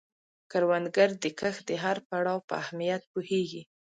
کروندګر د کښت د هر پړاو اهمیت پوهیږي